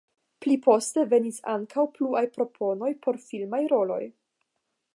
Pli poste venis ankaŭ pluaj proponoj por filmaj roloj.